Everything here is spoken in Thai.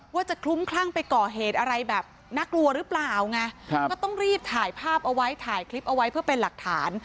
คลุ้มคลั่งไปก่อเหตุอะไรแบบน่ากลัวหรือเปล่าไงก็ต้องรีบถ่ายภาพเอาไว้ถ่ายคลิปเอาไว้เพื่อเป็นหลักฐาน